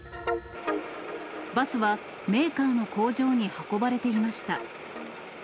バスは、メーカーの工場に運ばれていました。